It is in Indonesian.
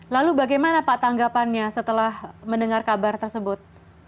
lalu bagaimana pak tanggapannya setelah mendengar kabar tersebut